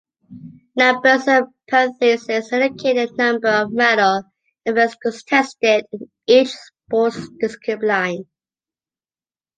Numbers in parentheses indicate the number of medal events contested in each sports discipline.